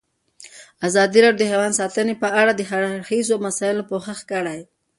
ازادي راډیو د حیوان ساتنه په اړه د هر اړخیزو مسایلو پوښښ کړی.